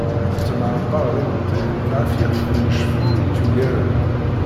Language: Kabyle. Tettemɛebbar d imeṭṭi ɣef yixef n lecfur itt-yugaren.